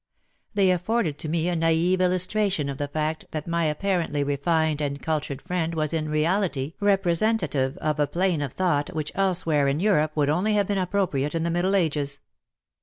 They afforded to me a naive illustration of the fact that my apparently refined and cultured friend was in reality representative of a plane of thought which elsewhere in Europe would only have been appropriate in the Middle Ages.